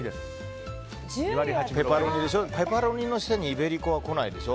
ペパロニの下にイベリコは来ないでしょ。